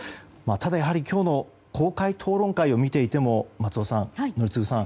ただ、今日の公開討論会を見ていても松尾さん、宜嗣さん